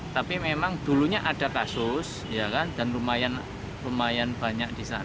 tapi memang dulunya ada kasus dan lumayan banyak di sana